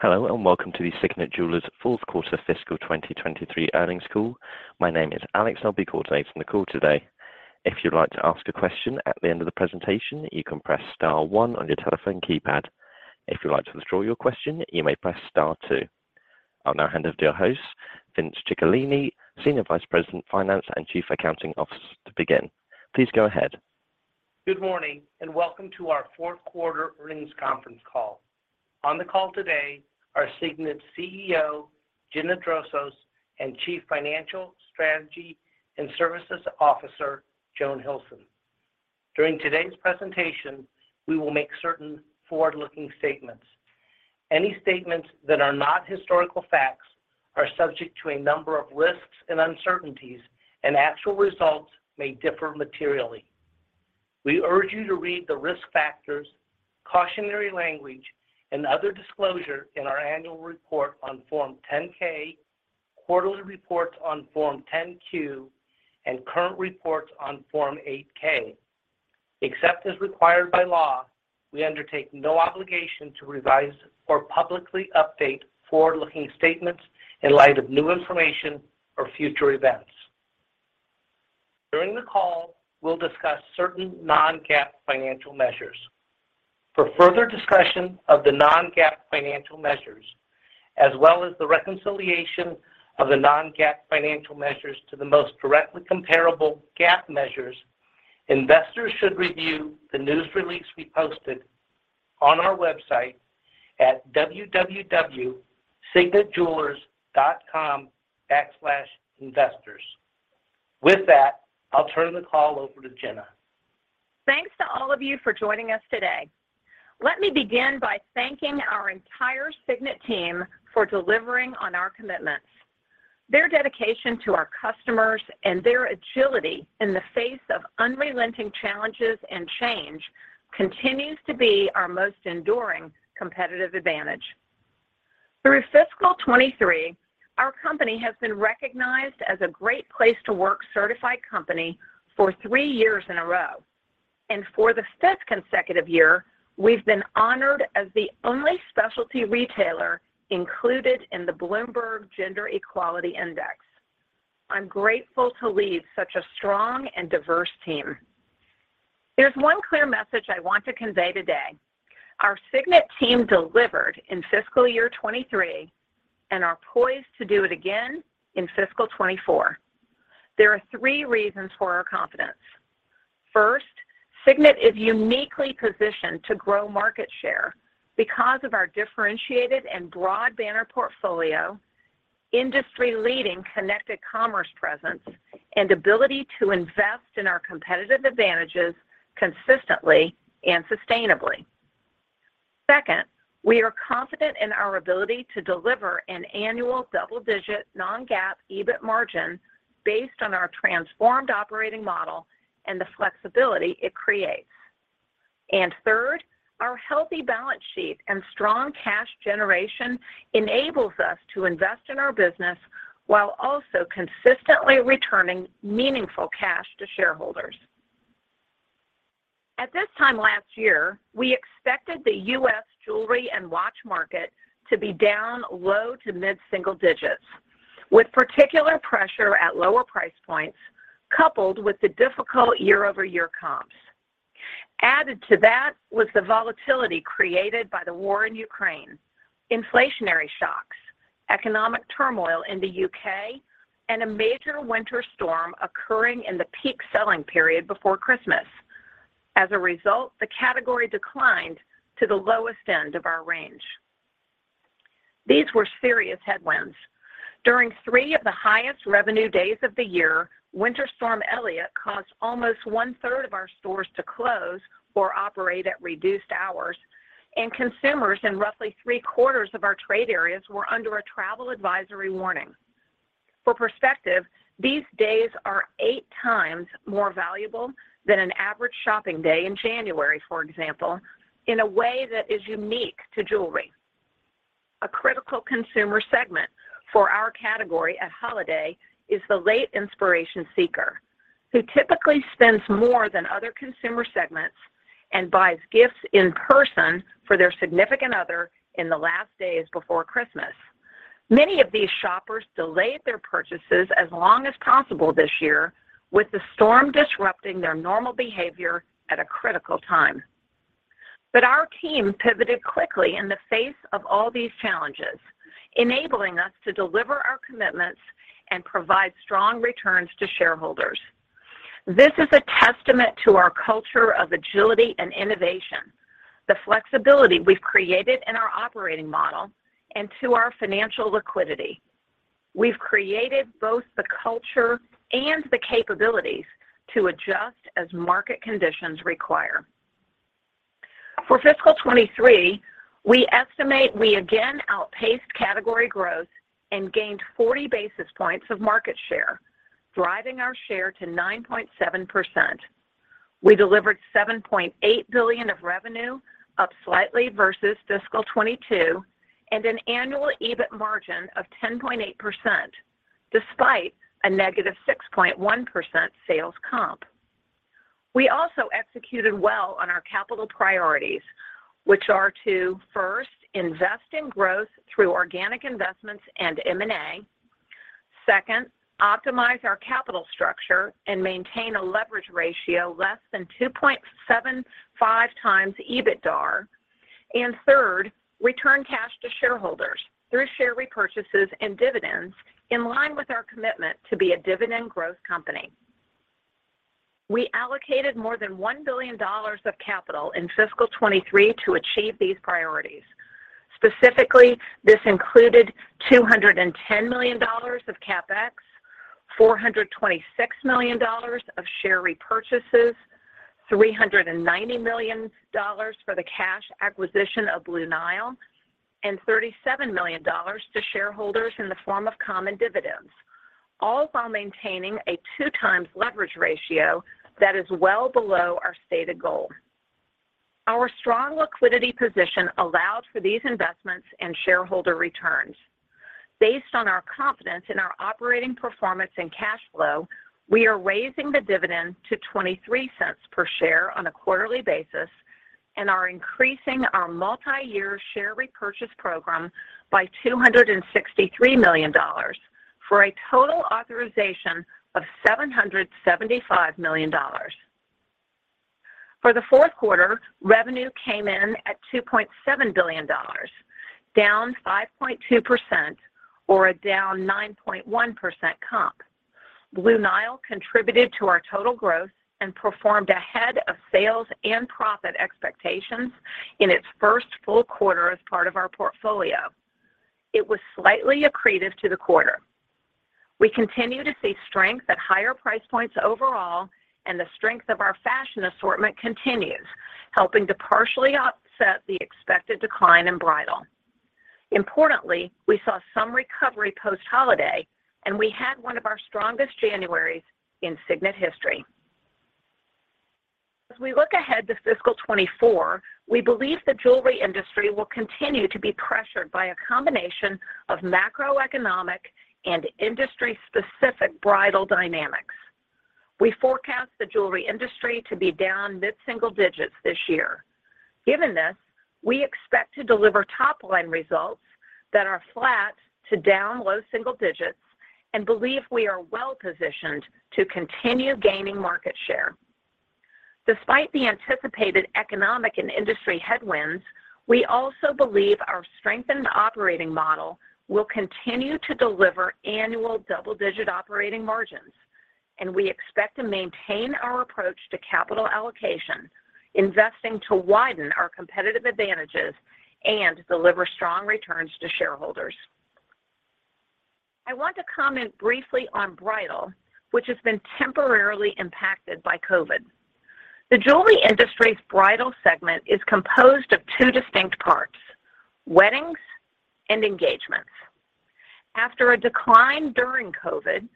Hello, welcome to the Signet Jewelers fourth quarter fiscal 2023 earnings call. My name is Alex. I'll be coordinating the call today. If you'd like to ask a question at the end of the presentation, you can press star one on your telephone keypad. If you'd like to withdraw your question, you may press star two. I'll now hand it to your host, Vince Ciccolini, Senior Vice President, Finance and Chief Accounting Officer, to begin. Please go ahead. Good morning, and welcome to our fourth quarter earnings conference call. On the call today are Signet's CEO Gina Drosos, and Chief Financial, Strategy and Services Officer Joan Hilson. During today's presentation, we will make certain forward-looking statements. Any statements that are not historical facts are subject to a number of risks and uncertainties and actual results may differ materially. We urge you to read the risk factors, cautionary language, and other disclosure in our annual report on Form 10-K, quarterly reports on Form 10-Q, and current reports on Form 8-K. Except as required by law, we undertake no obligation to revise or publicly update forward-looking statements in light of new information or future events. During the call, we'll discuss certain non-GAAP financial measures. For further discussion of the non-GAAP financial measures, as well as the reconciliation of the non-GAAP financial measures to the most directly comparable GAAP measures, investors should review the news release we posted on our website at www.signetjewelers.com/investors. I'll turn the call over to Gina. Thanks to all of you for joining us today. Let me begin by thanking our entire Signet team for delivering on our commitments. Their dedication to our customers and their agility in the face of unrelenting challenges and change continues to be our most enduring competitive advantage. Through fiscal 2023, our company has been recognized as a great place to work certified company for three years in a row. For the fifth consecutive year, we've been honored as the only specialty retailer included in the Bloomberg Gender-Equality Index. I'm grateful to lead such a strong and diverse team. There's one clear message I want to convey today. Our Signet team delivered in fiscal 2023 and are poised to do it again in fiscal 2024. There are three reasons for our confidence. First, Signet is uniquely positioned to grow market share because of our differentiated and broad banner portfolio, industry-leading connected commerce presence, and ability to invest in our competitive advantages consistently and sustainably. Second, we are confident in our ability to deliver an annual double-digit non-GAAP EBIT margin based on our transformed operating model and the flexibility it creates. Third, our healthy balance sheet and strong cash generation enables us to invest in our business while also consistently returning meaningful cash to shareholders. At this time last year, we expected the U.S. jewelry and watch market to be down low to mid-single digits, with particular pressure at lower price points coupled with the difficult year-over-year comps. Added to that was the volatility created by the war in Ukraine, inflationary shocks, economic turmoil in the U.K., and a major winter storm occurring in the peak selling period before Christmas. As a result, the category declined to the lowest end of our range. These were serious headwinds. During three of the highest revenue days of the year, Winter Storm Elliott caused almost one-third of our stores to close or operate at reduced hours, and consumers in roughly three-quarters of our trade areas were under a travel advisory warning. For perspective, these days are eight times more valuable than an average shopping day in January, for example, in a way that is unique to jewelry. A critical consumer segment for our category at holiday is the late inspiration seeker, who typically spends more than other consumer segments and buys gifts in person for their significant other in the last days before Christmas. Many of these shoppers delayed their purchases as long as possible this year, with the storm disrupting their normal behavior at a critical time. Our team pivoted quickly in the face of all these challenges, enabling us to deliver our commitments and provide strong returns to shareholders. This is a testament to our culture of agility and innovation, the flexibility we've created in our operating model, and to our financial liquidity. We've created both the culture and the capabilities to adjust as market conditions require. For fiscal 2023, we estimate we again outpaced category growth and gained 40 basis points of market share, driving our share to 9.7%. We delivered $7.8 billion of revenue, up slightly versus fiscal 2022, and an annual EBIT margin of 10.8%, despite a negative 6.1% sales comp. We also executed well on our capital priorities which are to first, invest in growth through organic investments and M&A. Second, optimize our capital structure and maintain a leverage ratio less than 2.75x EBITDA. Third, return cash to shareholders through share repurchases and dividends in line with our commitment to be a dividend growth company. We allocated more than $1 billion of capital in fiscal 2023 to achieve these priorities. Specifically, this included $210 million of CapEx, $426 million of share repurchases, $390 million for the cash acquisition of Blue Nile, and $37 million to shareholders in the form of common dividends, all while maintaining a 2x leverage ratio that is well below our stated goal. Our strong liquidity position allowed for these investments and shareholder returns. Based on our confidence in our operating performance and cash flow, we are raising the dividend to $0.23 per share on a quarterly basis and are increasing our multi-year share repurchase program by $263 million for a total authorization of $775 million. For the fourth quarter, revenue came in at $2.7 billion, down 5.2% or a down 9.1% comp. Blue Nile contributed to our total growth and performed ahead of sales and profit expectations in its first full quarter as part of our portfolio. It was slightly accretive to the quarter. We continue to see strength at higher price points overall and the strength of our fashion assortment continues, helping to partially offset the expected decline in bridal. Importantly, we saw some recovery post-holiday, and we had one of our strongest Januaries in Signet history. As we look ahead to fiscal 2024, we believe the jewelry industry will continue to be pressured by a combination of macroeconomic and industry-specific bridal dynamics. We forecast the jewelry industry to be down mid-single digits this year. Given this, we expect to deliver top line results that are flat to down low single digits and believe we are well positioned to continue gaining market share. Despite the anticipated economic and industry headwinds, we also believe our strengthened operating model will continue to deliver annual double-digit operating margins, and we expect to maintain our approach to capital allocation, investing to widen our competitive advantages and deliver strong returns to shareholders. I want to comment briefly on bridal, which has been temporarily impacted by COVID. The jewelry industry's bridal segment is composed of two distinct parts, weddings and engagements. After a decline during COVID,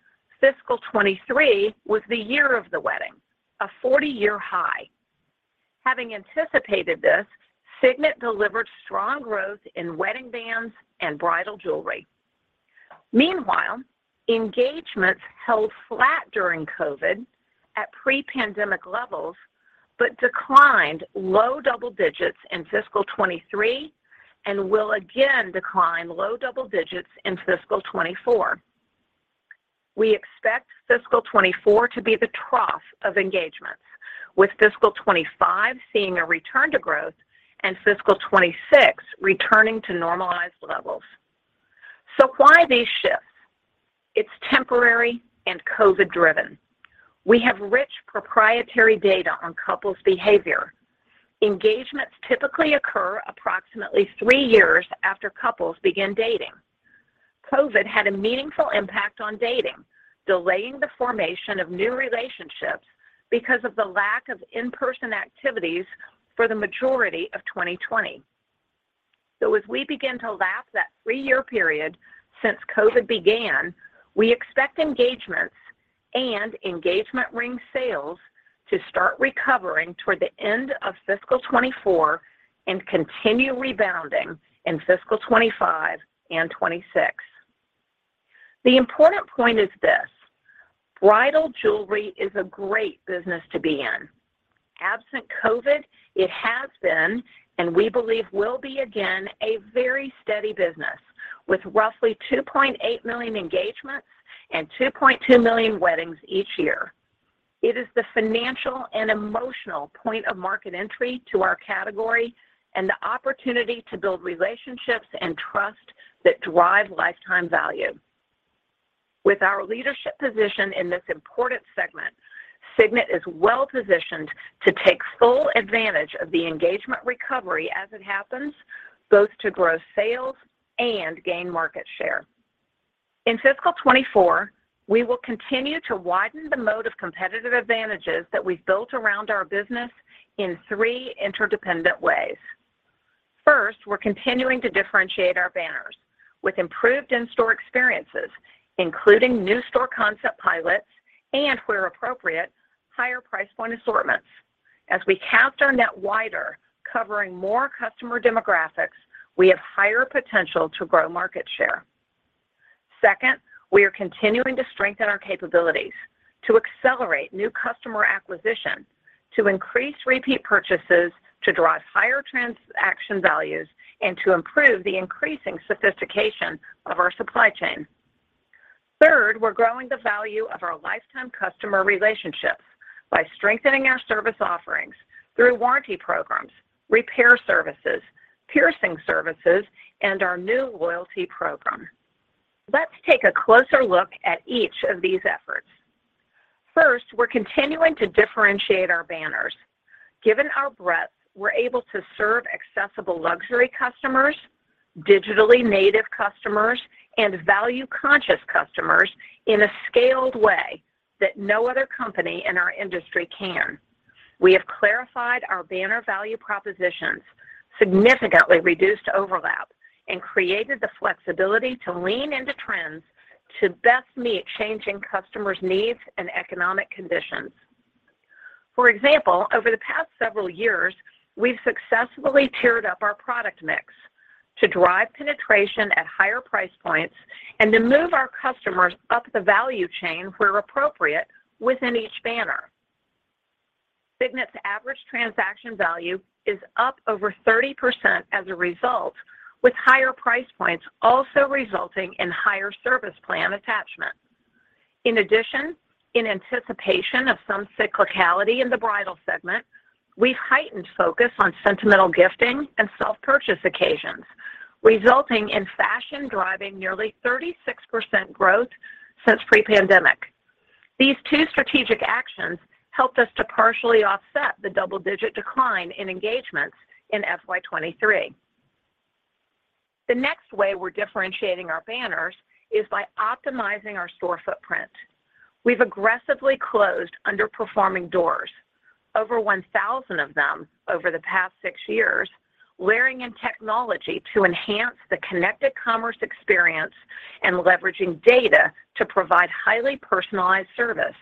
fiscal 2023 was the year of the wedding, a 40-year high. Having anticipated this, Signet delivered strong growth in wedding bands and bridal jewelry. Meanwhile, engagements held flat during COVID at pre-pandemic levels but declined low double digits in fiscal 2023 and will again decline low double digits in fiscal 2024. We expect fiscal 2024 to be the trough of engagements with fiscal 2025 seeing a return to growth and fiscal 2026 returning to normalized levels. Why these shifts? It's temporary and COVID driven. We have rich proprietary data on couples' behavior. Engagements typically occur approximately three years after couples begin dating. COVID had a meaningful impact on dating, delaying the formation of new relationships because of the lack of in-person activities for the majority of 2020. As we begin to lap that three-year period since COVID began, we expect engagements and engagement ring sales to start recovering toward the end of fiscal 2024 and continue rebounding in fiscal 2025 and 2026. The important point is this, bridal jewelry is a great business to be in. Absent COVID, it has been, and we believe will be again, a very steady business with roughly 2.8 million engagements and 2.2 million weddings each year. It is the financial and emotional point of market entry to our category and the opportunity to build relationships and trust that drive lifetime value. With our leadership position in this important segment, Signet is well positioned to take full advantage of the engagement recovery as it happens, both to grow sales and gain market share. In fiscal 2024, we will continue to widen the mode of competitive advantages that we've built around our business in three interdependent ways. First, we're continuing to differentiate our banners with improved in-store experiences, including new store concept pilots and where appropriate, higher price point assortments. As we cast our net wider, covering more customer demographics, we have higher potential to grow market share. Second, we are continuing to strengthen our capabilities to accelerate new customer acquisition to increase repeat purchases, to drive higher transaction values, and to improve the increasing sophistication of our supply chain. Third, we're growing the value of our lifetime customer relationships by strengthening our service offerings through warranty programs, repair services, piercing services, and our new loyalty program. Let's take a closer look at each of these efforts. First, we're continuing to differentiate our banners. Given our breadth, we're able to serve accessible luxury customers, digitally native customers, and value-conscious customers in a scaled way that no other company in our industry can. We have clarified our banner value propositions, significantly reduced overlap, and created the flexibility to lean into trends to best meet changing customers' needs and economic conditions. For example, over the past several years, we've successfully tiered up our product mix to drive penetration at higher price points and to move our customers up the value chain where appropriate within each banner. Signet's average transaction value is up over 30% as a result, with higher price points also resulting in higher service plan attachment. In addition, in anticipation of some cyclicality in the bridal segment, we've heightened focus on sentimental gifting and self-purchase occasions, resulting in fashion driving nearly 36% growth since pre-pandemic. These two strategic actions helped us to partially offset the double-digit decline in engagements in fiscal 2023. The next way we're differentiating our banners is by optimizing our store footprint. We've aggressively closed underperforming doors, over 1,000 of them over the past six years, layering in technology to enhance the connected commerce experience and leveraging data to provide highly personalized service.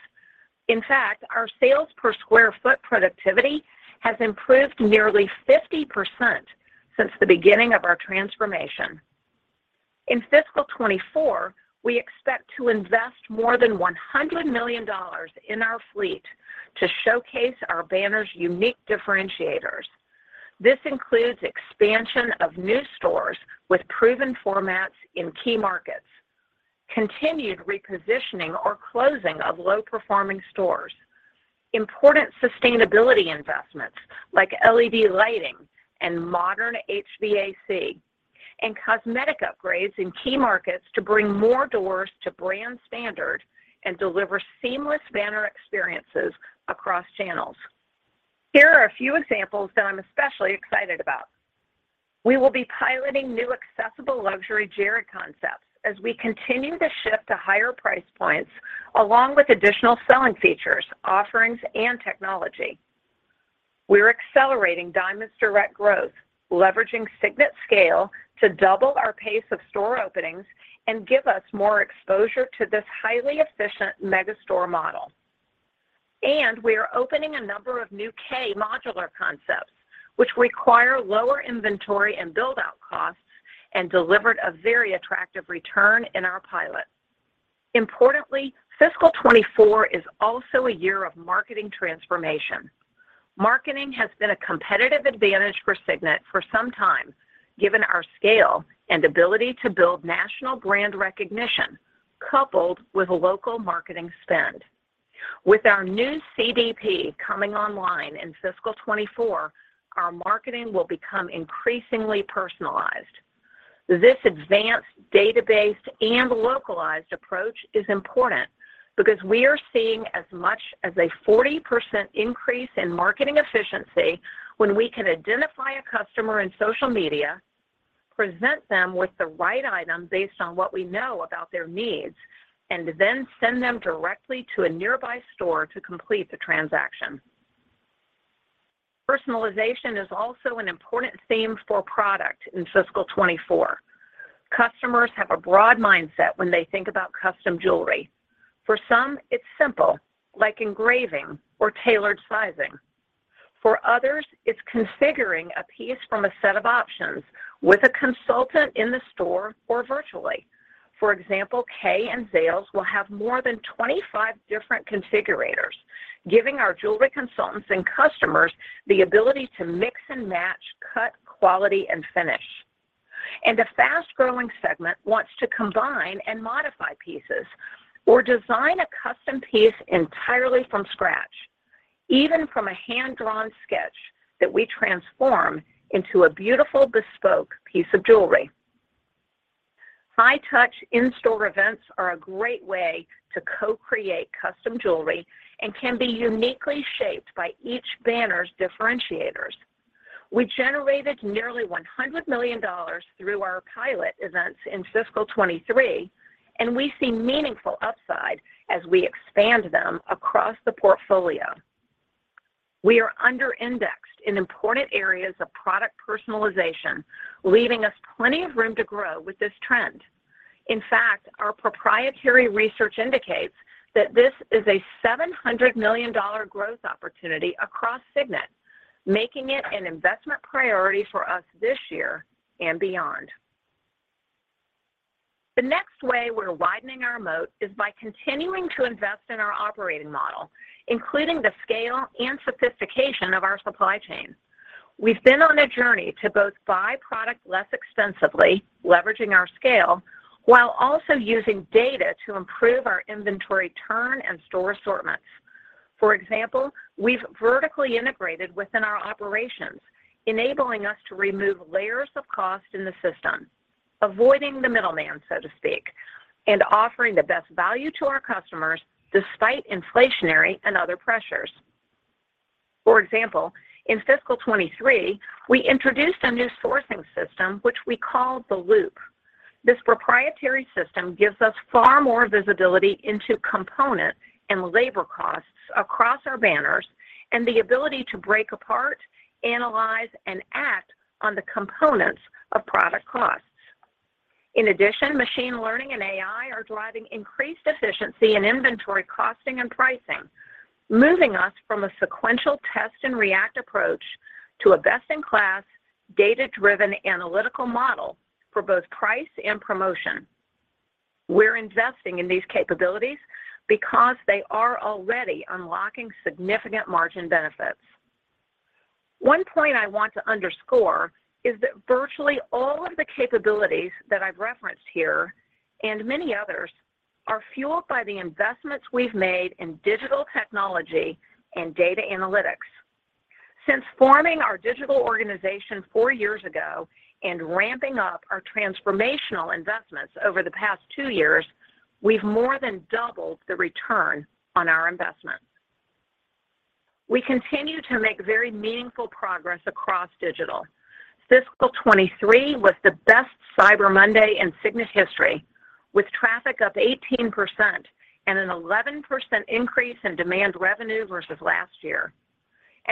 In fact, our sales per square foot productivity has improved nearly 50% since the beginning of our transformation. In fiscal 2024, we expect to invest more than $100 million in our fleet to showcase our banners' unique differentiators. This includes expansion of new stores with proven formats in key markets, continued repositioning or closing of low-performing stores, important sustainability investments like LED lighting and modern HVAC, and cosmetic upgrades in key markets to bring more doors to brand standard and deliver seamless banner experiences across channels. Here are a few examples that I'm especially excited about. We will be piloting new accessible luxury Jared concepts as we continue to shift to higher price points, along with additional selling features, offerings, and technology. We're accelerating Diamonds Direct growth, leveraging Signet's scale to double our pace of store openings and give us more exposure to this highly efficient mega store model. We are opening a number of new Kay modular concepts which require lower inventory and build-out costs and delivered a very attractive return in our pilot. Importantly, fiscal 2024 is also a year of marketing transformation. Marketing has been a competitive advantage for Signet for some time, given our scale and ability to build national brand recognition coupled with a local marketing spend. With our new CDP coming online in fiscal 2024, our marketing will become increasingly personalized. This advanced database and localized approach is important because we are seeing as much as a 40% increase in marketing efficiency when we can identify a customer in social media, present them with the right item based on what we know about their needs, and then send them directly to a nearby store to complete the transaction. Personalization is also an important theme for product in fiscal 2024. Customers have a broad mindset when they think about custom jewelry. For some, it's simple, like engraving or tailored sizing. For others, it's configuring a piece from a set of options with a consultant in the store or virtually. For example, Kay and Zales will have more than 25 different configurators, giving our jewelry consultants and customers the ability to mix and match cut, quality, and finish. A fast-growing segment wants to combine and modify pieces or design a custom piece entirely from scratch, even from a hand-drawn sketch that we transform into a beautiful bespoke piece of jewelry. High-touch in-store events are a great way to co-create custom jewelry and can be uniquely shaped by each banner's differentiators. We generated nearly $100 million through our pilot events in fiscal 2023, and we see meaningful upside as we expand them across the portfolio. We are under-indexed in important areas of product personalization, leaving us plenty of room to grow with this trend. In fact, our proprietary research indicates that this is a $700 million growth opportunity across Signet. Making it an investment priority for us this year and beyond. The next way we're widening our moat is by continuing to invest in our operating model, including the scale and sophistication of our supply chain. We've been on a journey to both buy product less expensively, leveraging our scale, while also using data to improve our inventory turn and store assortments. For example, we've vertically integrated within our operations, enabling us to remove layers of cost in the system, avoiding the middleman, so to speak, and offering the best value to our customers despite inflationary and other pressures. For example, in fiscal 2023, we introduced a new sourcing system which we call the Loop. This proprietary system gives us far more visibility into component and labor costs across our banners and the ability to break apart, analyze, and act on the components of product costs. In addition, machine learning and AI are driving increased efficiency in inventory costing and pricing, moving us from a sequential test and react approach to a best-in-class, data-driven analytical model for both price and promotion. We're investing in these capabilities because they are already unlocking significant margin benefits. One point I want to underscore is that virtually all of the capabilities that I've referenced here and many others are fueled by the investments we've made in digital technology and data analytics. Since forming our digital organization four years ago and ramping up our transformational investments over the past two years, we've more than doubled the return on our investment. We continue to make very meaningful progress across digital. Fiscal 2023 was the best Cyber Monday in Signet history, with traffic up 18% and an 11% increase in demand revenue versus last year.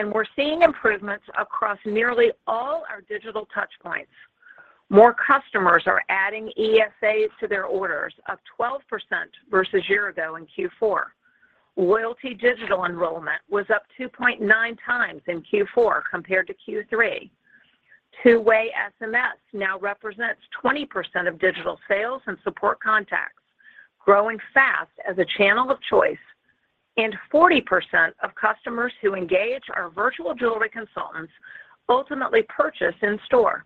We're seeing improvements across nearly all our digital touch points. More customers are adding ESAs to their orders, up 12% versus year ago in Q4. Loyalty digital enrollment was up 2.9x in Q4 compared to Q3. Two-way SMS now represents 20% of digital sales and support contacts, growing fast as a channel of choice, and 40% of customers who engage our virtual jewelry consultants ultimately purchase in store.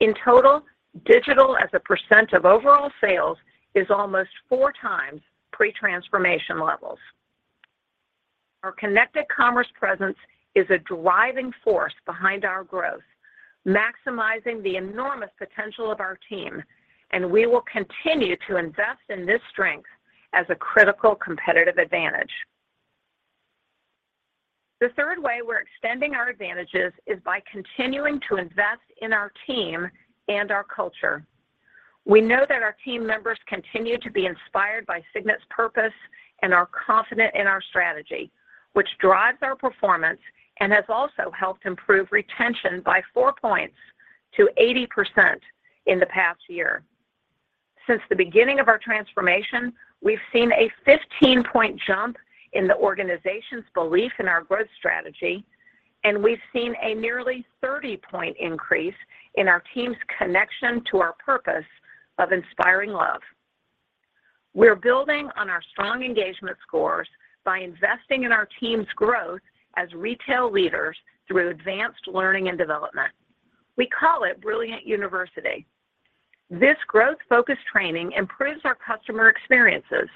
In total, digital as a percent of overall sales is almost 4x pre-transformation levels. Our connected commerce presence is a driving force behind our growth, maximizing the enormous potential of our team, and we will continue to invest in this strength as a critical competitive advantage. The third way we're extending our advantages is by continuing to invest in our team and our culture. We know that our team members continue to be inspired by Signet's purpose and are confident in our strategy, which drives our performance and has also helped improve retention by four points to 80% in the past year. Since the beginning of our transformation, we've seen a 15-point jump in the organization's belief in our growth strategy, and we've seen a nearly 30-point increase in our team's connection to our purpose of inspiring love. We're building on our strong engagement scores by investing in our team's growth as retail leaders through advanced learning and development. We call it Brilliant University. This growth-focused training improves our customer experiences,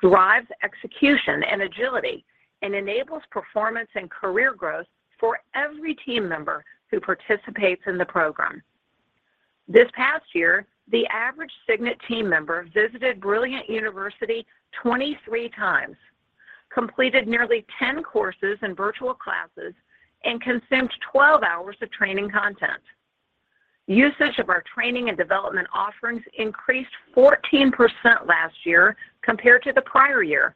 drives execution and agility, and enables performance and career growth for every team member who participates in the program. This past year, the average Signet team member visited Brilliant University 23 times, completed nearly 10 courses and virtual classes, and consumed 12 hours of training content. Usage of our training and development offerings increased 14% last year compared to the prior year,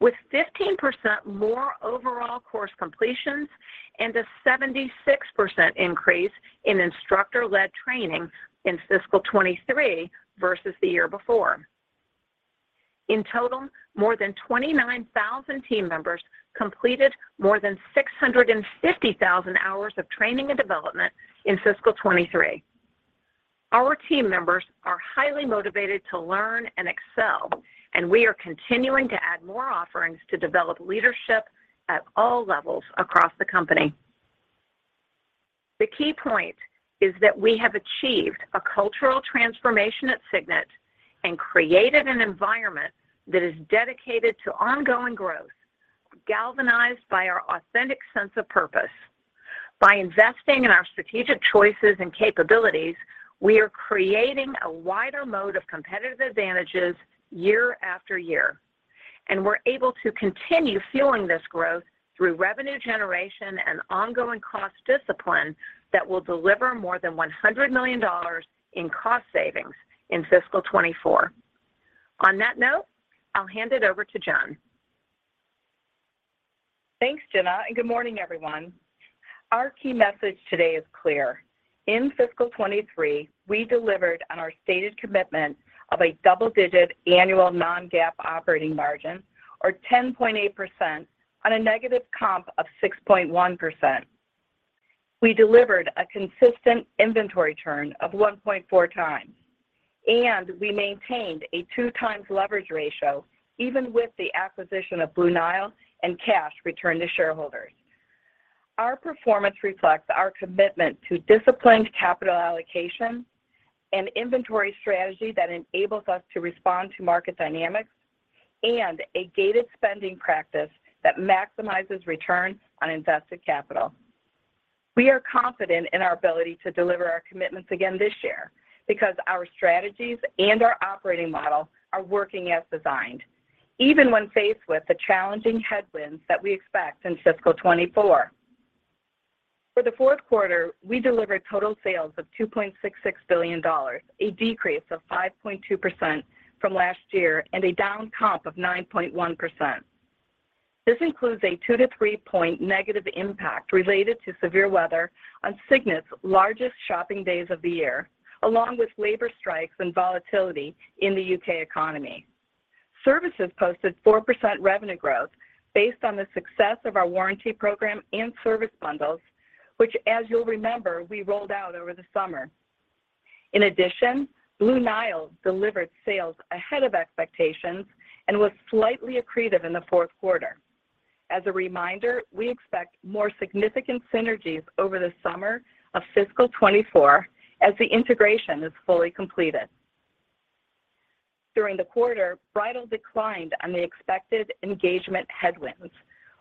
with 15% more overall course completions and a 76% increase in instructor-led training in fiscal 2023 versus the year before. In total, more than 29,000 team members completed more than 650,000 hours of training and development in fiscal 2023. Our team members are highly motivated to learn and excel, and we are continuing to add more offerings to develop leadership at all levels across the company. The key point is that we have achieved a cultural transformation at Signet and created an environment that is dedicated to ongoing growth, galvanized by our authentic sense of purpose. By investing in our strategic choices and capabilities, we are creating a wider moat of competitive advantages year after year, and we're able to continue fueling this growth through revenue generation and ongoing cost discipline that will deliver more than $100 million in cost savings in fiscal 2024. On that note, I'll hand it over to Joan. Thanks, Gina. Good morning, everyone. Our key message today is clear. In fiscal 2023, we delivered on our stated commitment of a double-digit annual non-GAAP operating margin or 10.8% on a negative comp of 6.1%. We delivered a consistent inventory turn of 1.4x, and we maintained a 2x leverage ratio even with the acquisition of Blue Nile and cash returned to shareholders. Our performance reflects our commitment to disciplined capital allocation and inventory strategy that enables us to respond to market dynamics and a gated spending practice that maximizes return on invested capital. We are confident in our ability to deliver our commitments again this year because our strategies and our operating model are working as designed, even when faced with the challenging headwinds that we expect in fiscal 2024. For the fourth quarter, we delivered total sales of $2.66 billion, a decrease of 5.2% from last year and a down comp of 9.1%. This includes a 2- to 3-point negative impact related to severe weather on Signet's largest shopping days of the year, along with labor strikes and volatility in the U.K. economy. Services posted 4% revenue growth based on the success of our warranty program and service bundles, which, as you'll remember, we rolled out over the summer. Blue Nile delivered sales ahead of expectations and was slightly accretive in the fourth quarter. As a reminder, we expect more significant synergies over the summer of fiscal 2024 as the integration is fully completed. During the quarter, bridal declined on the expected engagement headwinds,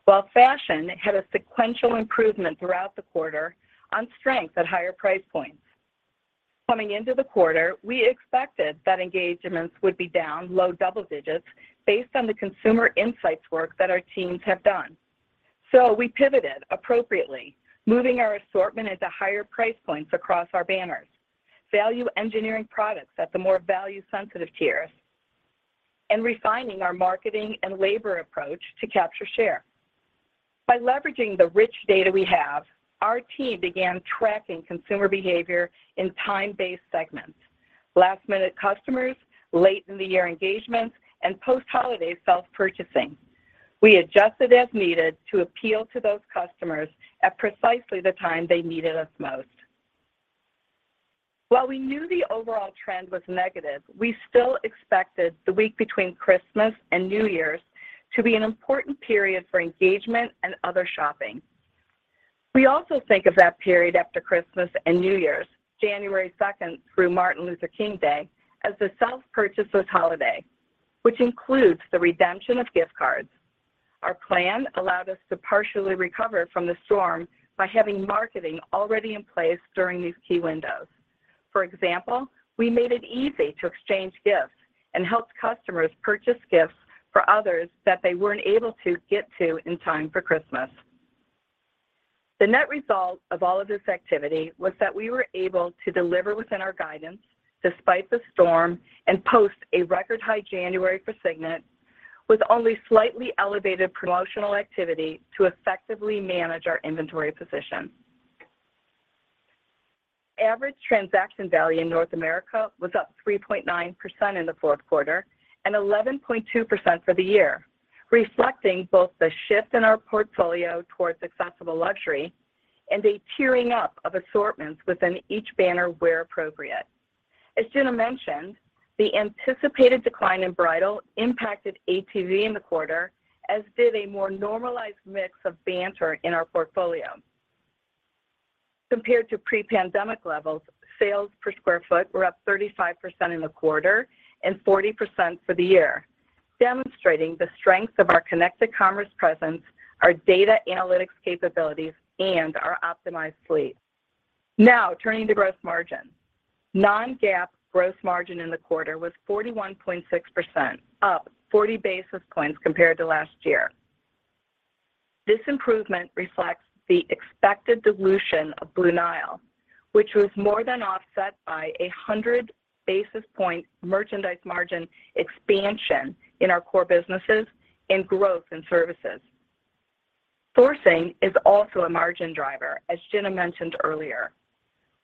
while fashion had a sequential improvement throughout the quarter on strength at higher price points. Coming into the quarter, we expected that engagements would be down low double digits based on the consumer insights work that our teams have done. We pivoted appropriately, moving our assortment into higher price points across our banners, value engineering products at the more value-sensitive tiers, and refining our marketing and labor approach to capture share. By leveraging the rich data we have, our team began tracking consumer behavior in time-based segments, last-minute customers, late-in-the-year engagements, and post-holiday self-purchasing. We adjusted as needed to appeal to those customers at precisely the time they needed us most. While we knew the overall trend was negative, we still expected the week between Christmas and New Year's to be an important period for engagement and other shopping. We also think of that period after Christmas and New Year's, January second through Martin Luther King Jr. Day, as the self-purchasers holiday, which includes the redemption of gift cards. Our plan allowed us to partially recover from the storm by having marketing already in place during these key windows. For example, we made it easy to exchange gifts and helped customers purchase gifts for others that they weren't able to get to in time for Christmas. The net result of all of this activity was that we were able to deliver within our guidance despite the storm and post a record high January for Signet with only slightly elevated promotional activity to effectively manage our inventory position. Average transaction value in North America was up 3.9% in the fourth quarter and 11.2% for the year, reflecting both the shift in our portfolio towards accessible luxury and a tiering up of assortments within each banner where appropriate. As Gina mentioned, the anticipated decline in bridal impacted ATV in the quarter, as did a more normalized mix of banter in our portfolio. Compared to pre-pandemic levels, sales per square foot were up 35% in the quarter and 40% for the year, demonstrating the strength of our connected commerce presence, our data analytics capabilities, and our optimized fleet. Now turning to gross margin. Non-GAAP gross margin in the quarter was 41.6%, up 40 basis points compared to last year. This improvement reflects the expected dilution of Blue Nile, which was more than offset by a 100 basis point merchandise margin expansion in our core businesses and growth in services. Sourcing is also a margin driver, as Gina mentioned earlier.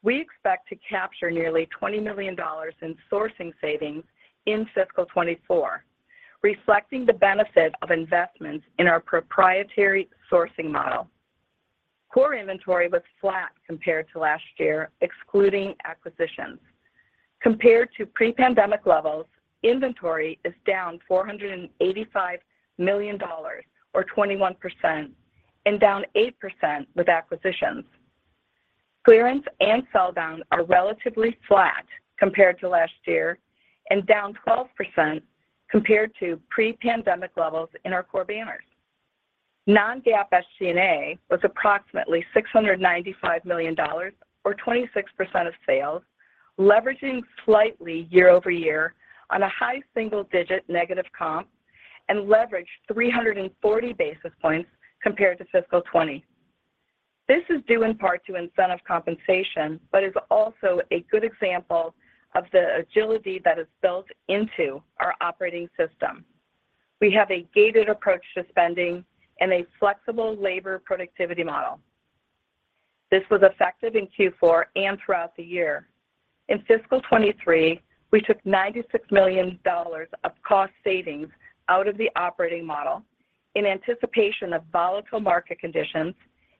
We expect to capture nearly $20 million in sourcing savings in fiscal 2024, reflecting the benefit of investments in our proprietary sourcing model. Core inventory was flat compared to last year, excluding acquisitions. Compared to pre-pandemic levels, inventory is down $485 million, or 21%, and down 8% with acquisitions. Clearance and sell down are relatively flat compared to last year and down 12% compared to pre-pandemic levels in our core banners. Non-GAAP SG&A was approximately $695 million, or 26% of sales, leveraging slightly year-over-year on a high single-digit negative comp and leveraged 340 basis points compared to fiscal 2020. This is due in part to incentive compensation, but is also a good example of the agility that is built into our operating system. We have a gated approach to spending and a flexible labor productivity model. This was effective in Q4 and throughout the year. In fiscal 2023, we took $96 million of cost savings out of the operating model in anticipation of volatile market conditions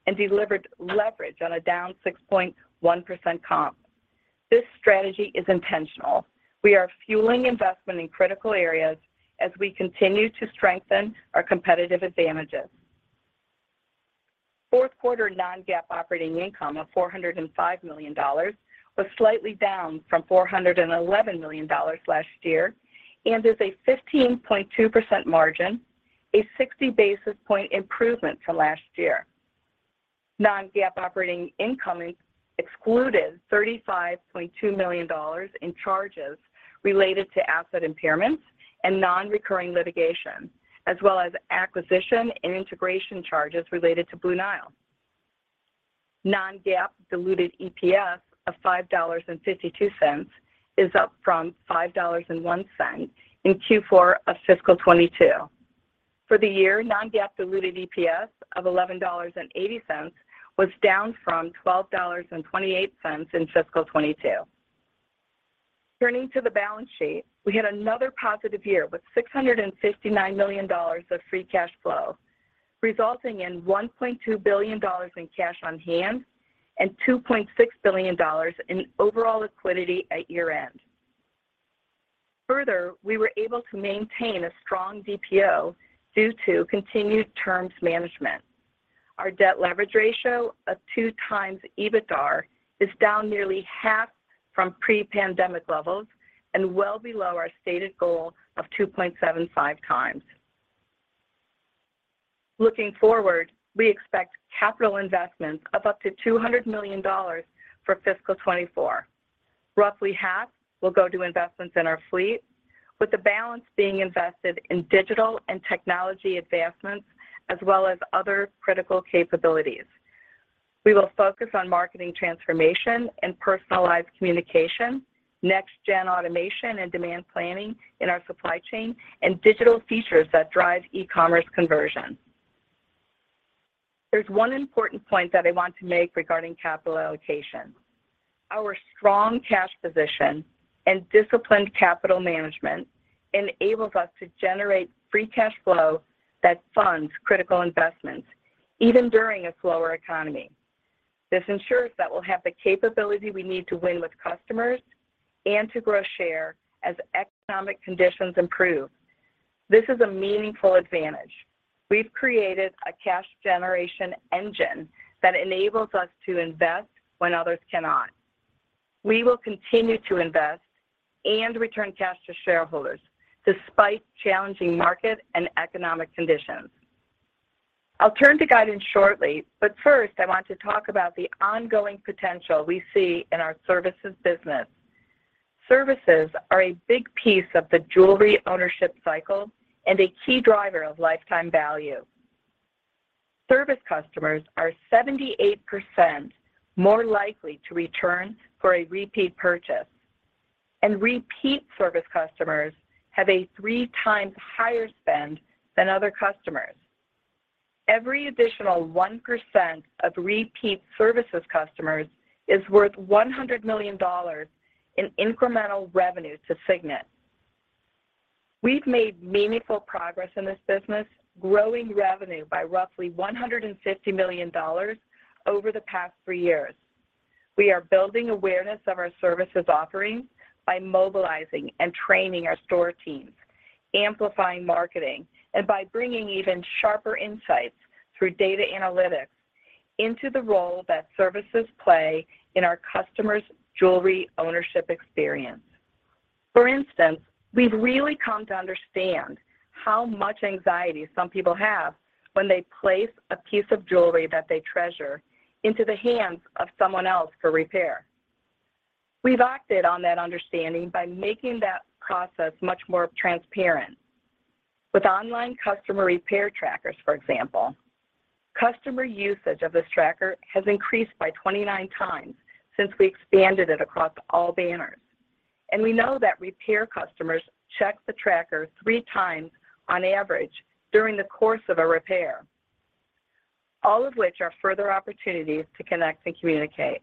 and delivered leverage on a down 6.1% comp. This strategy is intentional. We are fueling investment in critical areas as we continue to strengthen our competitive advantages. Fourth quarter non-GAAP operating income of $405 million was slightly down from $411 million last year and is a 15.2% margin, a 60 basis point improvement from last year. Non-GAAP operating income excluded $35.2 million in charges related to asset impairments and non-recurring litigation, as well as acquisition and integration charges related to Blue Nile. Non-GAAP diluted EPS of $5.52 is up from $5.01 in Q4 of fiscal 2022. For the year, non-GAAP diluted EPS of $11.80 was down from $12.28 in fiscal 2022. Turning to the balance sheet, we had another positive year with $659 million of free cash flow, resulting in $1.2 billion in cash on hand and $2.6 billion in overall liquidity at year-end. Further, we were able to maintain a strong DPO due to continued terms management. Our debt leverage ratio of 2x EBITDAR is down nearly half from pre-pandemic levels and well below our stated goal of 2.75x. Looking forward, we expect capital investments of up to $200 million for fiscal 2024. Roughly half will go to investments in our fleet, with the balance being invested in digital and technology advancements as well as other critical capabilities. We will focus on marketing transformation and personalized communication, next-gen automation and demand planning in our supply chain, and digital features that drive e-commerce conversion. There's one important point that I want to make regarding capital allocation. Our strong cash position and disciplined capital management enables us to generate free cash flow that funds critical investments even during a slower economy. This ensures that we'll have the capability we need to win with customers and to grow share as economic conditions improve. This is a meaningful advantage. We've created a cash generation engine that enables us to invest when others cannot. We will continue to invest and return cash to shareholders despite challenging market and economic conditions. I'll turn to guidance shortly, but first I want to talk about the ongoing potential we see in our services business. Services are a big piece of the jewelry ownership cycle and a key driver of lifetime value. Service customers are 78% more likely to return for a repeat purchase, and repeat service customers have a three times higher spend than other customers. Every additional 1% of repeat services customers is worth $100 million in incremental revenue to Signet. We've made meaningful progress in this business, growing revenue by roughly $150 million over the past three years. We are building awareness of our services offerings by mobilizing and training our store teams, amplifying marketing, and by bringing even sharper insights through data analytics into the role that services play in our customers' jewelry ownership experience. For instance, we've really come to understand how much anxiety some people have when they place a piece of jewelry that they treasure into the hands of someone else for repair. We've acted on that understanding by making that process much more transparent. With online customer repair trackers, for example, customer usage of this tracker has increased by 29x since we expanded it across all banners. We know that repair customers check the tracker three times on average during the course of a repair, all of which are further opportunities to connect and communicate.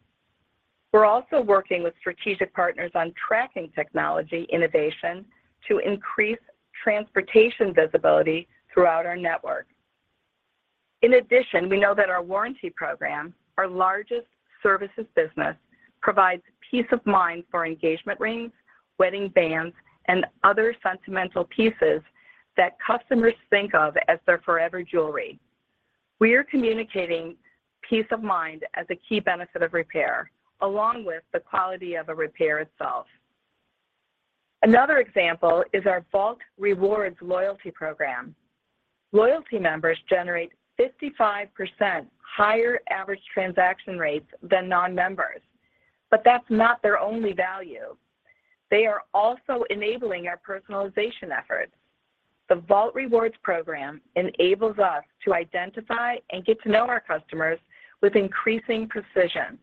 We're also working with strategic partners on tracking technology innovation to increase transportation visibility throughout our network. In addition, we know that our warranty program, our largest services business, provides peace of mind for engagement rings, wedding bands, and other sentimental pieces that customers think of as their forever jewelry. We are communicating peace of mind as a key benefit of repair, along with the quality of a repair itself. Another example is our Vault Rewards loyalty program. Loyalty members generate 55% higher average transaction rates than non-members. That's not their only value. They are also enabling our personalization efforts. The Vault Rewards program enables us to identify and get to know our customers with increasing precision.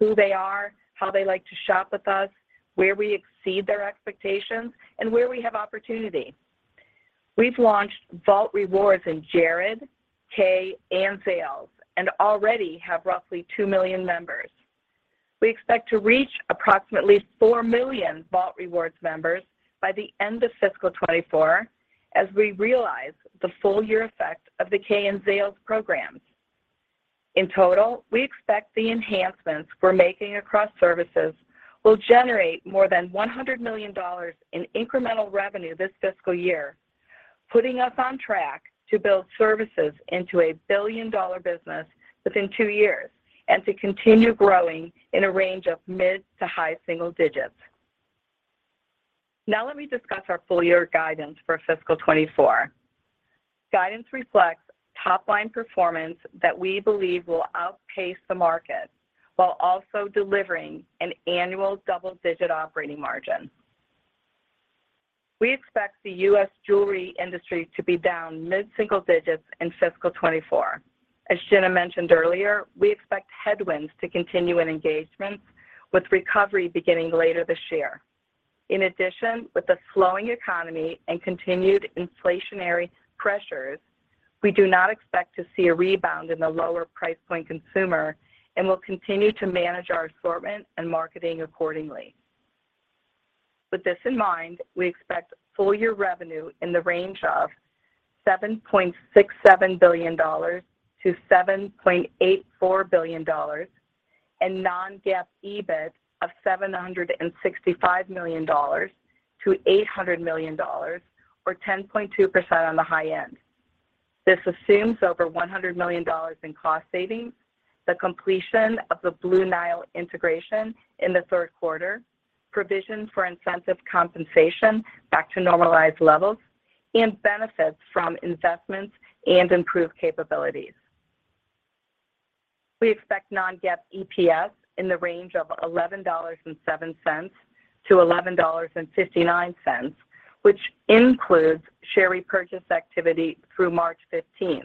Who they are, how they like to shop with us, where we exceed their expectations, and where we have opportunity. We've launched Vault Rewards in Jared, Kay, and Zales, and already have roughly 2 million members. We expect to reach approximately 4 million Vault Rewards members by the end of fiscal 2024 as we realize the full-year effect of the Kay and Zales programs. In total, we expect the enhancements we're making across services will generate more than $100 million in incremental revenue this fiscal year, putting us on track to build services into a billion-dollar business within two years and to continue growing in a range of mid- to high-single digits. Now let me discuss our full year guidance for fiscal 2024. Guidance reflects top-line performance that we believe will outpace the market while also delivering an annual double-digit operating margin. We expect the U.S. jewelry industry to be down mid-single digits in fiscal 2024. As Gina mentioned earlier, we expect headwinds to continue in engagements, with recovery beginning later this year. In addition, with the slowing economy and continued inflationary pressures, we do not expect to see a rebound in the lower price point consumer and will continue to manage our assortment and marketing accordingly. With this in mind, we expect full year revenue in the range of $7.67 billion-$7.84 billion and non-GAAP EBIT of $765 million-$800 million or 10.2% on the high end. This assumes over $100 million in cost savings, the completion of the Blue Nile integration in the third quarter, provision for incentive compensation back to normalized levels, and benefits from investments and improved capabilities. We expect non-GAAP EPS in the range of $11.07-$11.59, which includes share repurchase activity through March 15.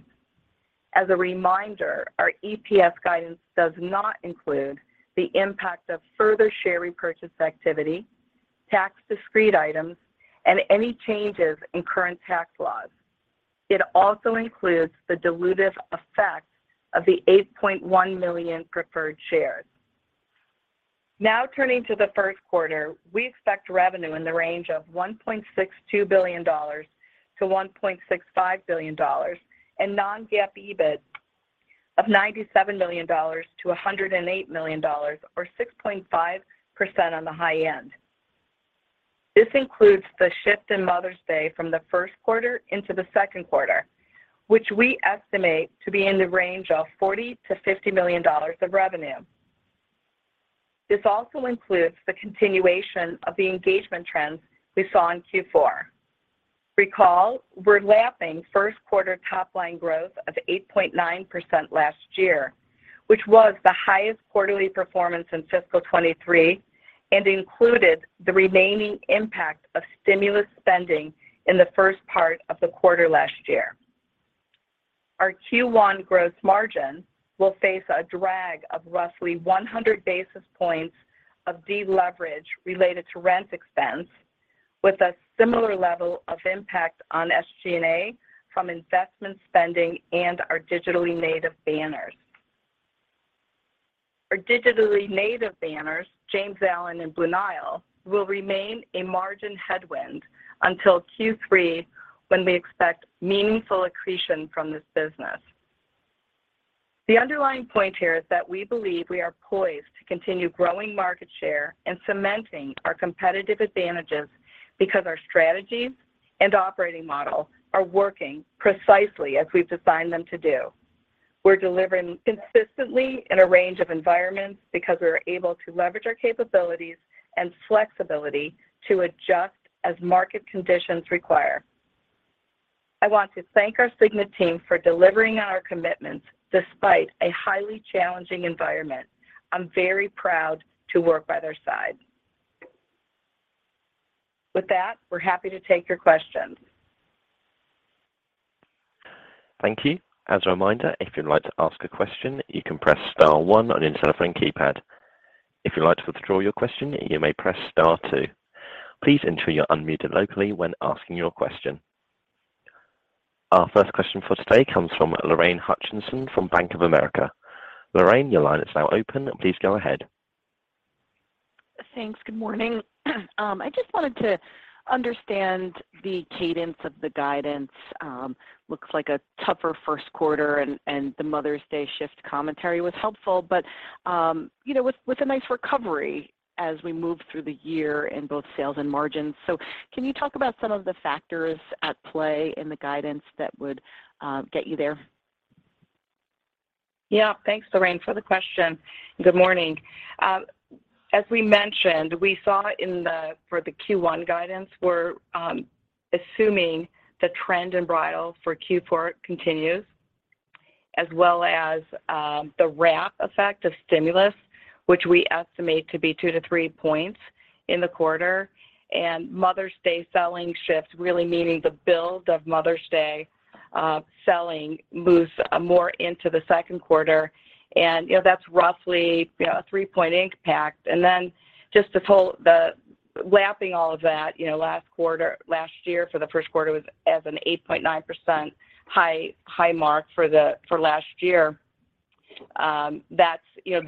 As a reminder, our EPS guidance does not include the impact of further share repurchase activity, tax discrete items, and any changes in current tax laws. It also includes the dilutive effect of the 8.1 million preferred shares. Turning to the first quarter, we expect revenue in the range of $1.62 billion-$1.65 billion and non-GAAP EBIT of $97 million-$108 million or 6.5% on the high end. This includes the shift in Mother's Day from the first quarter into the second quarter, which we estimate to be in the range of $40 million-$50 million of revenue. This also includes the continuation of the engagement trends we saw in Q4. Recall we're lapping first quarter top-line growth of 8.9% last year, which was the highest quarterly performance in fiscal 2023 and included the remaining impact of stimulus spending in the first part of the quarter last year. Our Q1 gross margin will face a drag of roughly 100 basis points of deleverage related to rent expense with a similar level of impact on SG&A from investment spending and our digitally native banners. Our digitally native banners, James Allen and Blue Nile, will remain a margin headwind until Q3 when we expect meaningful accretion from this business. The underlying point here is that we believe we are poised to continue growing market share and cementing our competitive advantages because our strategies and operating model are working precisely as we've designed them to do. We're delivering consistently in a range of environments because we're able to leverage our capabilities and flexibility to adjust as market conditions require. I want to thank our Signet team for delivering on our commitments despite a highly challenging environment. I'm very proud to work by their side. With that, we're happy to take your questions. Thank you. As a reminder, if you'd like to ask a question, you can press star one on your telephone keypad. If you'd like to withdraw your question, you may press star two. Please ensure you're unmuted locally when asking your question. Our first question for today comes from Lorraine Hutchinson from Bank of America. Lorraine, your line is now open. Please go ahead. Thanks. Good morning. I just wanted to understand the cadence of the guidance. Looks like a tougher first quarter and the Mother's Day shift commentary was helpful. You know, with a nice recovery as we move through the year in both sales and margins. Can you talk about some of the factors at play in the guidance that would get you there? Yeah. Thanks, Lorraine, for the question. Good morning. As we mentioned, we saw for the Q1 guidance, we're assuming the trend in bridal for Q4 continues, as well as the wrap effect of stimulus which we estimate to be 2-3 points in the quarter. Mother's Day selling shift really meaning the build of Mother's Day selling moves more into the second quarter and, you know, that's roughly, you know, a 3-point impact. Then just to pull the lapping all of that, you know, last year for the first quarter was as an 8.9% high mark for the, for last year. That's, you know,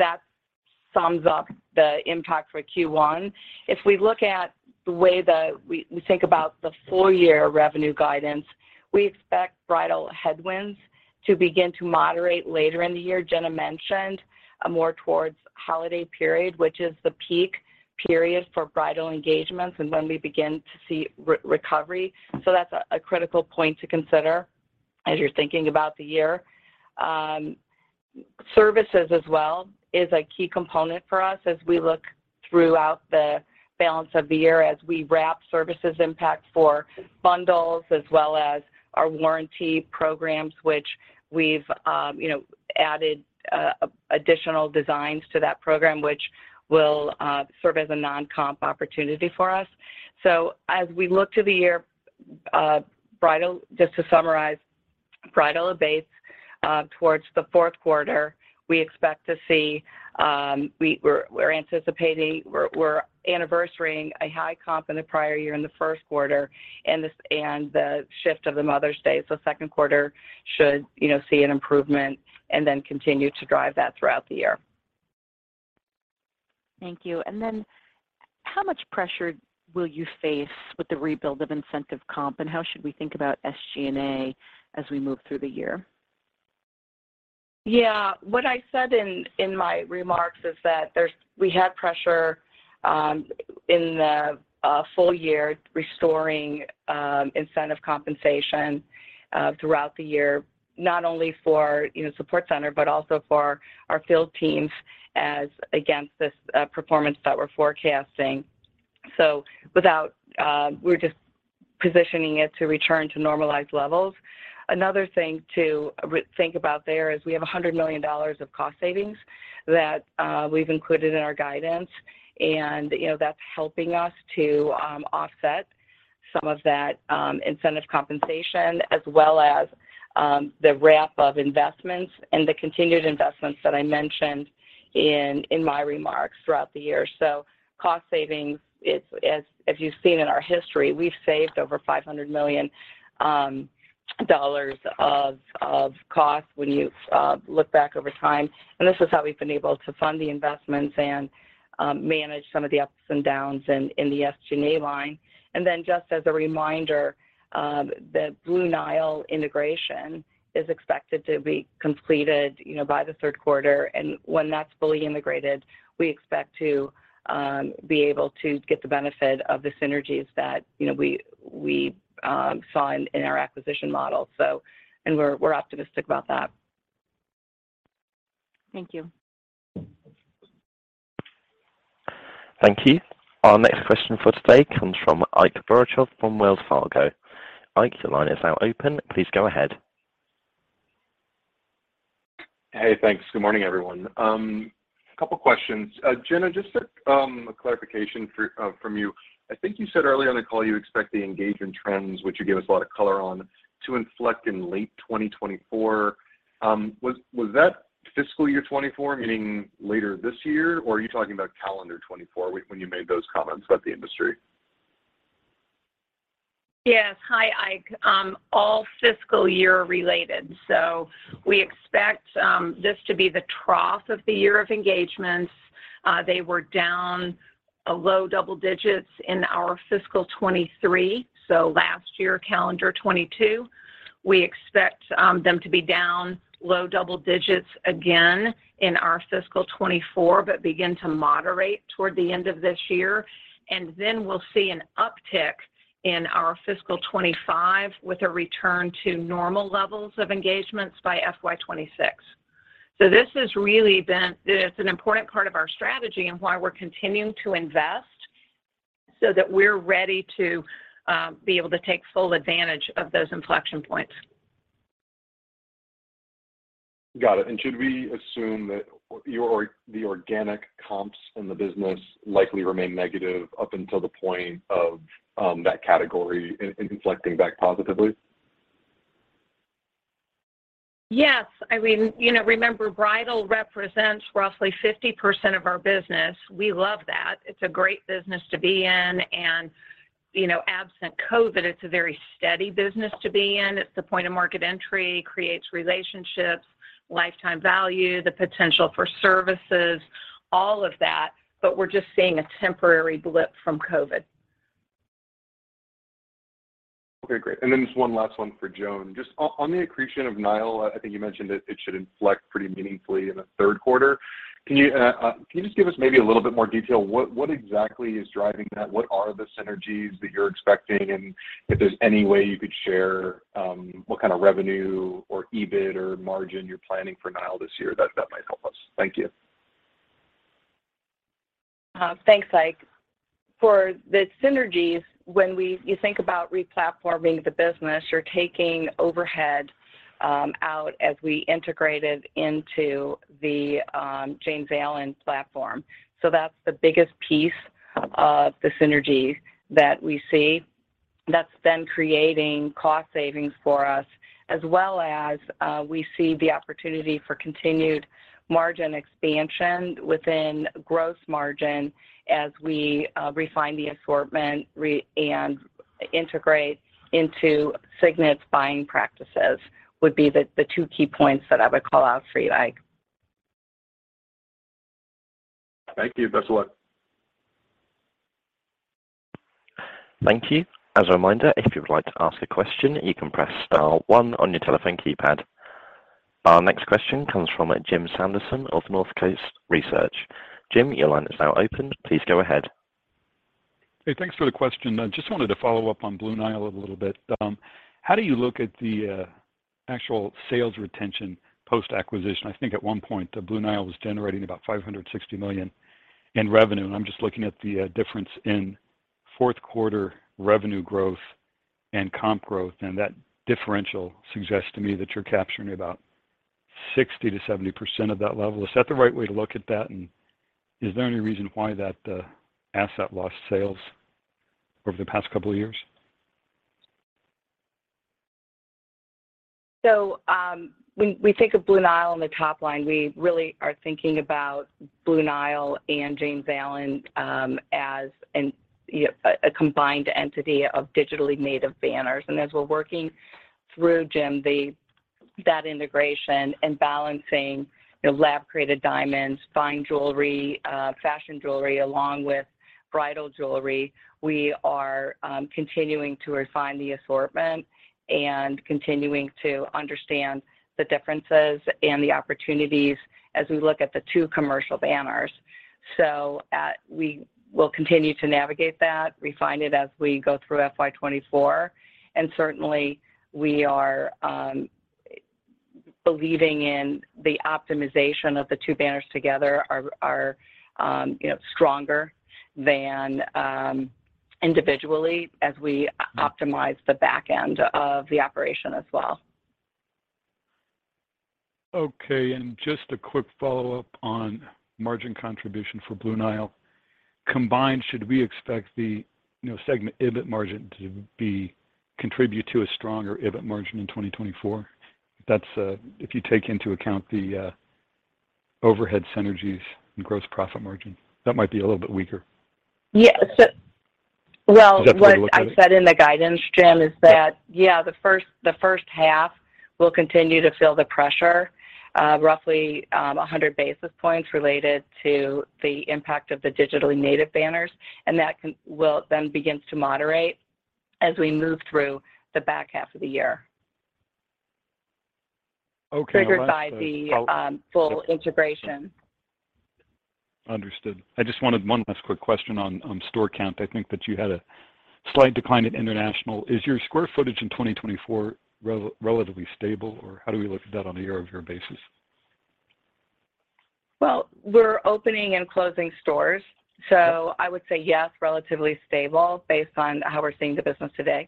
that sums up the impact for Q1. If we look at the way that we think about the full year revenue guidance, we expect bridal headwinds to begin to moderate later in the year. Gina mentioned more towards holiday period, which is the peak period for bridal engagements and when we begin to see re-recovery. That's a critical point to consider as you're thinking about the year. Services as well is a key component for us as we look throughout the balance of the year as we wrap services impact for bundles as well as our warranty programs, which we've, you know, added additional designs to that program, which will serve as a non-comp opportunity for us. As we look to the year, Just to summarize, bridal abates towards the fourth quarter. We expect to see, We're anniversarying a high comp in the prior year in the first quarter and the shift of the Mother's Day. Second quarter should, you know, see an improvement and then continue to drive that throughout the year. Thank you. How much pressure will you face with the rebuild of incentive comp, and how should we think about SG&A as we move through the year? Yeah. What I said in my remarks is that we have pressure in the full year restoring incentive compensation throughout the year, not only for, you know, support center, but also for our field teams as against this performance that we're forecasting. Without We're just positioning it to return to normalized levels. Another thing to think about there is we have $100 million of cost savings that we've included in our guidance and, you know, that's helping us to offset some of that incentive compensation as well as the wrap of investments and the continued investments that I mentioned in my remarks throughout the year. Cost savings as you've seen in our history, we've saved over $500 million of cost when you look back over time. This is how we've been able to fund the investments and manage some of the ups and downs in the SG&A line. Just as a reminder, the Blue Nile integration is expected to be completed, you know, by the third quarter. When that's fully integrated, we expect to be able to get the benefit of the synergies that, you know, we saw in our acquisition model. We're optimistic about that. Thank you. Thank you. Our next question for today comes from Ike Boruchow from Wells Fargo. Ike, your line is now open. Please go ahead. Hey, thanks. Good morning, everyone. A couple questions. Gina, just a clarification for from you. I think you said earlier in the call you expect the engagement trends, which you gave us a lot of color on, to inflect in late 2024. Was that fiscal year 2024 meaning later this year, or are you talking about calendar 2024 when you made those comments about the industry? Hi, Ike. All fiscal year related. We expect this to be the trough of the year of engagements. They were down a low double digits in our fiscal 2023, so last year, calendar 2022. We expect them to be down low double digits again in our fiscal 2024, but begin to moderate toward the end of this year. We'll see an uptick in our fiscal 2025 with a return to normal levels of engagements by FY 2026. This has really been an important part of our strategy and why we're continuing to invest so that we're ready to be able to take full advantage of those inflection points. Got it. Should we assume that the organic comps in the business likely remain negative up until the point of that category inflecting back positively? Yes. I mean, you know, remember, bridal represents roughly 50% of our business. We love that. It's a great business to be in and, you know, absent COVID, it's a very steady business to be in. It's the point of market entry, creates relationships, lifetime value, the potential for services, all of that, but we're just seeing a temporary blip from COVID. Okay, great. Just one last one for Joan. Just on the accretion of Nile, I think you mentioned it should inflect pretty meaningfully in the third quarter. Can you just give us maybe a little bit more detail? What exactly is driving that? What are the synergies that you're expecting? If there's any way you could share what kind of revenue or EBIT or margin you're planning for Nile this year, that might help us. Thank you. Thanks, Ike. For the synergies, when you think about re-platforming the business, you're taking overhead out as we integrated into the James Allen platform. That's the biggest piece of the synergies that we see. That's creating cost savings for us, as well as, we see the opportunity for continued margin expansion within gross margin as we refine the assortment and integrate into Signet's buying practices, would be the two key points that I would call out for you, Ike. Thank you. Best of luck. Thank you. As a reminder, if you would like to ask a question, you can press star one on your telephone keypad. Our next question comes from Jim Sanderson of Northcoast Research. Jim, your line is now open. Please go ahead. Hey, thanks for the question. I just wanted to follow up on Blue Nile a little bit. How do you look at the actual sales retention post-acquisition? I think at one point the Blue Nile was generating about $560 million in revenue, I'm just looking at the difference in fourth quarter revenue growth and comp growth. That differential suggests to me that you're capturing about 60%-70% of that level. Is that the right way to look at that? Is there any reason why that asset lost sales over the past couple of years? When we think of Blue Nile on the top line, we really are thinking about Blue Nile and James Allen, as, yeah, a combined entity of digitally native banners. As we're working through, Jim, that integration and balancing the lab-created diamonds, fine jewelry, fashion jewelry, along with bridal jewelry, we are continuing to refine the assortment and continuing to understand the differences and the opportunities as we look at the two commercial banners. We will continue to navigate that, refine it as we go through fiscal 2024. Certainly we are believing in the optimization of the two banners together are, you know, stronger than individually as we optimize the back end of the operation as well. Okay. Just a quick follow-up on margin contribution for Blue Nile. Combined, should we expect the, you know, segment EBIT margin to be contribute to a stronger EBIT margin in 2024? That's if you take into account the overhead synergies and gross profit margin. That might be a little bit weaker. Well, what I said in the guidance, Jim, is that, the first half will continue to feel the pressure, roughly, 100 basis points related to the impact of the digitally native banners. That will then begins to moderate as we move through the back half of the year. Okay. Triggered by the full integration. Understood. I just wanted one last quick question on store count. I think that you had a slight decline at international. Is your square footage in 2024 relatively stable, or how do we look at that on a year-over-year basis? Well, we're opening and closing stores, so I would say yes, relatively stable based on how we're seeing the business today.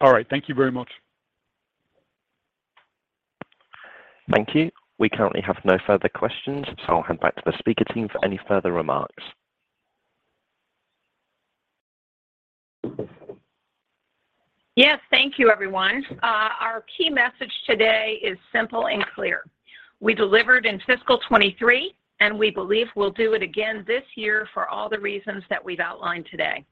All right. Thank you very much. Thank you. We currently have no further questions, so I'll hand back to the speaker team for any further remarks. Yes. Thank you, everyone. Our key message today is simple and clear. We delivered in fiscal 2023, and we believe we'll do it again this year for all the reasons that we've outlined today.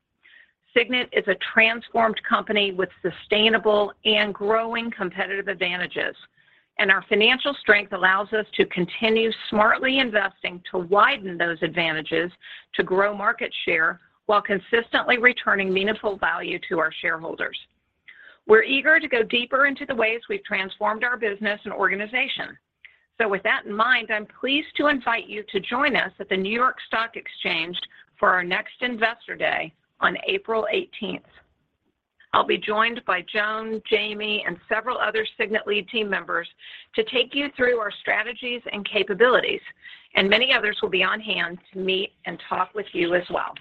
Signet is a transformed company with sustainable and growing competitive advantages, and our financial strength allows us to continue smartly investing to widen those advantages to grow market share while consistently returning meaningful value to our shareholders. We're eager to go deeper into the ways we've transformed our business and organization. With that in mind, I'm pleased to invite you to join us at the New York Stock Exchange for our next Investor Day on April 18th 2024. I'll be joined by Joan, Jamie, and several other Signet lead team members to take you through our strategies and capabilities, and many others will be on-hand to meet and talk with you as well.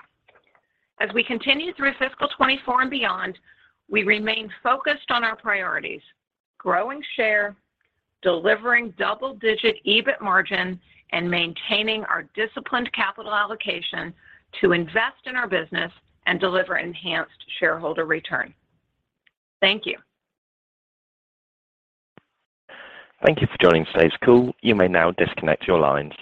As we continue through fiscal 2024 and beyond, we remain focused on our priorities: growing share, delivering double-digit EBIT margin, and maintaining our disciplined capital allocation to invest in our business and deliver enhanced shareholder return. Thank you. Thank you for joining today's call. You may now disconnect your lines.